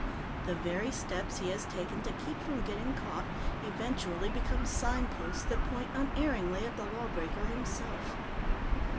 The very steps he has taken to keep from getting caught eventually become signposts that point unerringly at the lawbreaker himself.